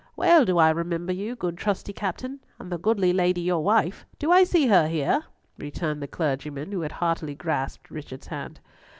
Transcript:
Well do I remember you, good trusty Captain, and the goodly lady your wife. Do I see her here?" returned the clergyman, who had heartily grasped Richard's hand.